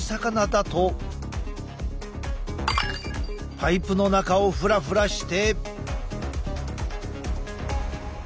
パイプの中をふらふらして。